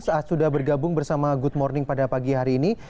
saat sudah bergabung bersama good morning pada pagi hari ini